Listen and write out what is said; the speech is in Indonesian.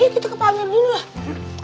ayo kita ke panggilan dulu lah